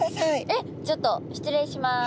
えっちょっと失礼します。